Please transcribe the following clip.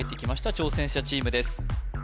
挑戦者チームです